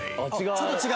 ちょっと違う。